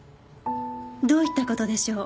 どういった事でしょう？